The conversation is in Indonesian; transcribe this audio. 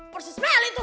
persis melli tuh